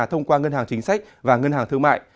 thông qua ngân hàng chính sách và ngân hàng thương mại